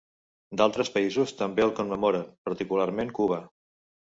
D'altres països també el commemoren, particularment Cuba.